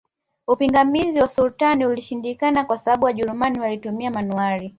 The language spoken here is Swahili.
Upingamizi wa Sultani ulishindikana kwa sababu Wajerumani walituma manuwari